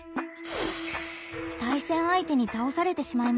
対戦相手に倒されてしまいました。